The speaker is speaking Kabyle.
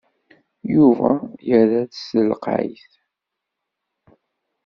Yuba yerra-d s telqayt.